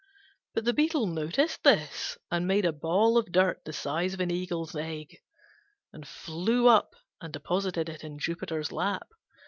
But the Beetle noticed this and made a ball of dirt the size of an Eagle's egg, and flew up and deposited it in Jupiter's lap.